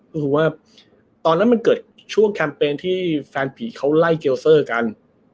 ก็คือว่าตอนนั้นมันเกิดช่วงแคมเปญที่แฟนผีเขาไล่เจลเซอร์กัน